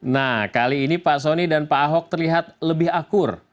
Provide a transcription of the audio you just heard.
nah kali ini pak soni dan pak ahok terlihat lebih akur